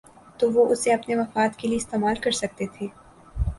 تو وہ اسے اپنے مفاد کے لیے استعمال کر سکتے تھے۔